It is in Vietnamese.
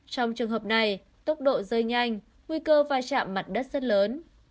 trong trường hợp này tốc độ dây nhanh nguy cơ vai trạm mặt đất rất lớn